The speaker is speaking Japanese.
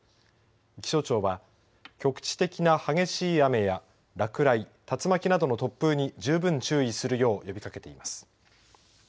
気象庁は、局地的な激しい雨や落雷竜巻などの突風に十分注意するよう呼びかけています。